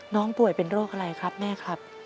ป่วยเป็นโรคอะไรครับแม่ครับ